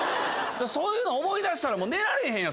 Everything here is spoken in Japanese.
そういうの思い出したら寝られへんやん